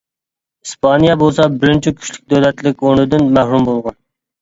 ئىسپانىيە بولسا بىرىنچى كۈچلۈك دۆلەتلىك ئورنىدىن مەھرۇم بولغان.